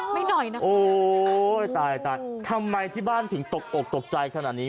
ไม่หน่อยไม่หน่อยนะโอ้ยตายตายทำไมที่บ้านถึงตกตกตกใจขนาดนี้